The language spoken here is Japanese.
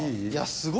すごい！